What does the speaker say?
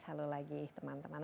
halo lagi teman teman